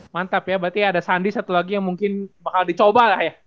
mantap ya berarti ada sandi satu lagi yang mungkin bakal dicoba lah ya